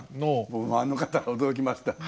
僕もあの方は驚きました。